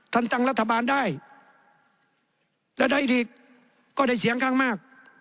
ตั้งรัฐบาลได้และได้อีกก็ได้เสียงข้างมาก